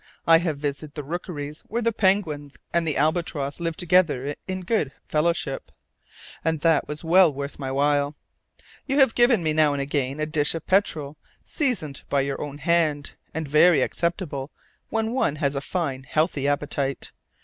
I have visited the rookeries where the penguin and the albatross live together in good fellowship, and that was well worth my while. You have given me now and again a dish of petrel, seasoned by your own hand, and very acceptable when one has a fine healthy appetite.